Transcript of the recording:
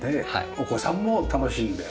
お子さんも楽しんで。